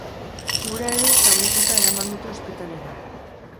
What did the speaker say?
Hura ere zaurituta eraman dute ospitalera.